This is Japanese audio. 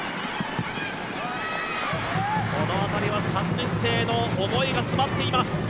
この辺りは３年生の思いが詰まっています。